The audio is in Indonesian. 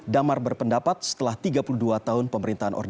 damar berpendapat setelah tiga puluh dua tahun pemerintahan ordeka